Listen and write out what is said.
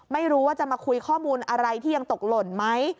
ไม่รู้ว่าจะมาคุยข้อมูลอะไรที่ยังตกหล่นไหม